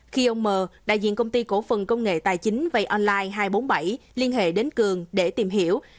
khi ông m đại diện công ty cổ phần công nghệ tài chính vay online hai trăm bốn mươi bảy liên hệ đến cường để tìm hiểu